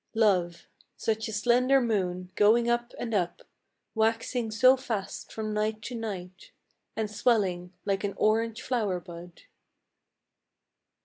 Love — such a slender moon, going up and up, Waxing so fast from night to night, And swelling like an orange flower bud.